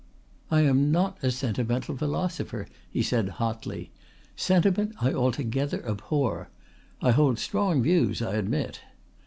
"I am not a sentimental philosopher," he said hotly. "Sentiment I altogether abhor. I hold strong views, I admit."